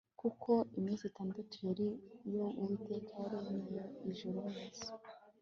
kuko iminsi itandatu ari yo Uwiteka yaremeyemo ijuru nisi